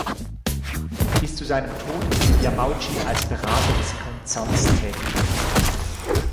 Bis zu seinem Tod blieb Yamauchi als Berater des Konzerns tätig.